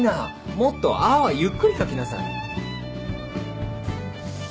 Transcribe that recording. もっと「あ」はゆっくり書きなさい！